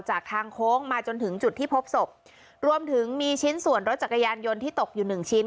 จากทางโค้งมาจนถึงจุดที่พบศพรวมถึงมีชิ้นส่วนรถจักรยานยนต์ที่ตกอยู่หนึ่งชิ้น